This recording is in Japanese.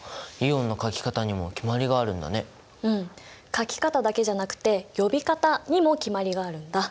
書き方だけじゃなくて呼び方にも決まりがあるんだ。